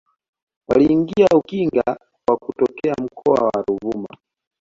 Waliingia Ukinga kwa kutokea mkoa wa Ruvuma